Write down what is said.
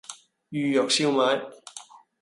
魚肉燒賣